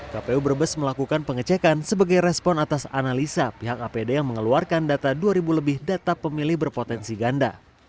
kpu brebes melakukan pengecekan sebagai respon atas analisa pihak apd yang mengeluarkan data dua ribu lebih data pemilih berpotensi ganda